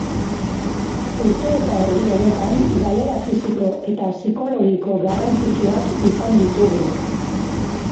Urte eta erdi honetan galera fisiko eta psikologiko garrantzitsuak izan ditugu.